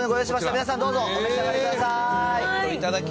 皆さんどうぞお召し上がりください。